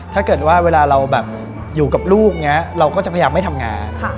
ถ้าเกิดว่าเวลาเราอยู่กับลูกเราก็จะพยายามไม่ทำงาน